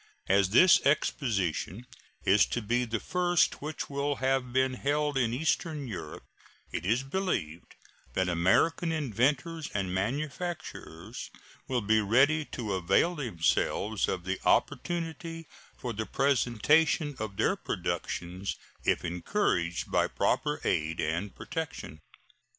As this exposition is to be the first which will have been held in eastern Europe, it is believed that American inventors and manufacturers will be ready to avail themselves of the opportunity for the presentation of their productions if encouraged by proper aid and protection.